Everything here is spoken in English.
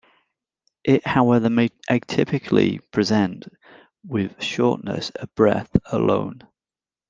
It however may atypically present with shortness of breath alone.